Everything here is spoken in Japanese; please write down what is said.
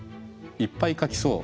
いっぱい描きそう。